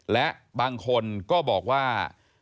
และบางคนก็บอกว่า